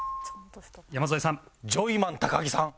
山添さん